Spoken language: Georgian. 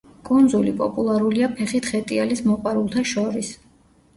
კუნძული პოპულარულია ფეხით ხეტიალის მოყვარულთა შორის.